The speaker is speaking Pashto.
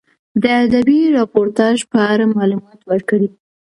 د ادبي راپورتاژ په اړه معلومات ورکړئ.